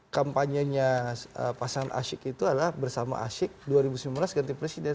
kampanyenya pasangan asyik itu adalah bersama asyik dua ribu sembilan belas ganti presiden